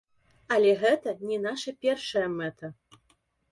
Але гэта не наша першая мэта.